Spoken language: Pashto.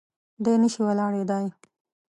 دی نه شي ولاړېدای.